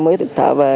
mới bị bắt trên kia